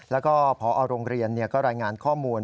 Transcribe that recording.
แล้วก็พอโรงเรียนก็รายงานข้อมูล